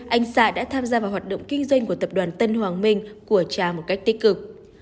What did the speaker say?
anh xạ đã tham gia vào hoạt động kinh doanh của tập đoàn tân hoàng minh của cha một cách tích cực